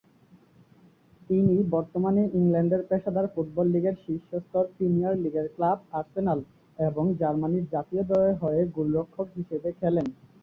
তিনি বর্তমানে ইংল্যান্ডের পেশাদার ফুটবল লীগের শীর্ষ স্তর প্রিমিয়ার লীগের ক্লাব আর্সেনাল এবং জার্মানি জাতীয় দলের হয়ে গোলরক্ষক হিসেবে খেলেন।